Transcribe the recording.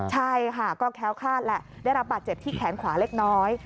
ใช่ค่ะก็แค้วคาดแหละได้รับบาดเจ็บที่แขนขวาเล็กน้อย